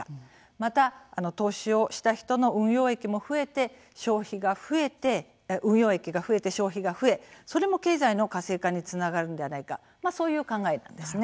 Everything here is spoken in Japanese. また、投資をした人の運用益が増えて、消費が増えそれも経済の活性化につながるのではないかそういう考えなんですね。